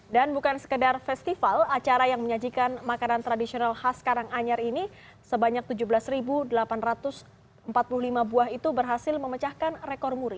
bukan sekedar festival acara yang menyajikan makanan tradisional khas karanganyar ini sebanyak tujuh belas delapan ratus empat puluh lima buah itu berhasil memecahkan rekor muri